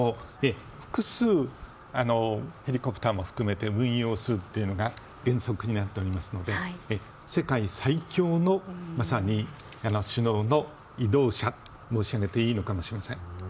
複数、ヘリコプターも含めて運用するというのが原則になっていますので世界最強の首脳の移動車と申し上げていいかもしれません。